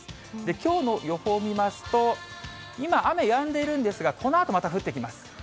きょうの予報見ますと、今、雨やんでいるんですが、このあとまた降ってきます。